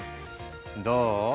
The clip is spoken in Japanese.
どう？